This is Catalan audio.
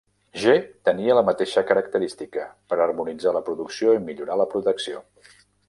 G tenia la mateixa característica, per harmonitzar la producció i millorar la protecció.